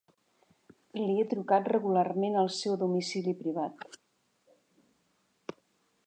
Li he de trucar regularment al seu domicili privat.